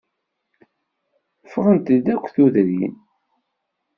Ffɣent-d akk tudrin.